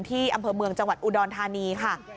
อำเภอเมืองจังหวัดอุดรธานีค่ะ